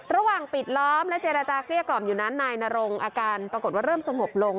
ระหว่างปิดล้อมและเจรจาเกลี้ยกล่อมอยู่นั้นนายนรงอาการปรากฏว่าเริ่มสงบลง